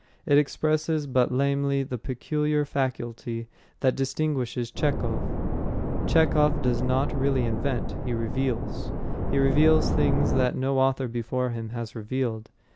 It expresses but lamely the peculiar faculty that distinguishes Chekhov. Chekhov does not really invent. He reveals. He reveals things that no author before him has revealed.